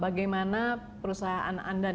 bagaimana perusahaan anda